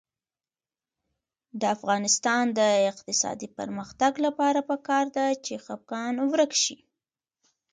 د افغانستان د اقتصادي پرمختګ لپاره پکار ده چې خپګان ورک شي.